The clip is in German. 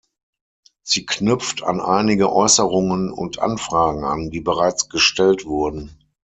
Sie knüpft an einige Äußerungen und Anfragen an, die bereits gestellt wurden.